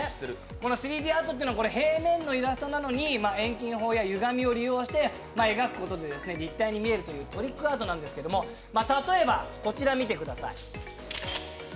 この３Ｄアートっていうのは平面のイラストなのに遠近法やゆがみを利用して立体に見えるというトリックアートなんですけれども、例えば、こちら見てください。